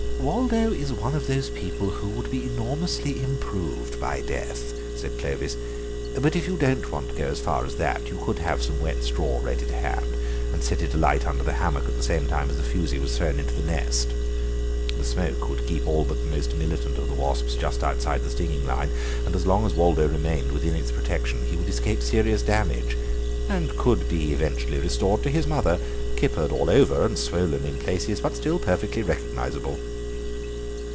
"Waldo is one of those people who would be enormously improved by death," said Clovis; "but if you didn't want to go as far as that, you could have some wet straw ready to hand, and set it alight under the hammock at the same time that the fusee was thrown into the nest; the smoke would keep all but the most militant of the wasps just outside the stinging line, and as long as Waldo remained within its protection he would escape serious damage, and could be eventually restored to his mother, kippered all over and swollen in places, but still perfectly recognisable."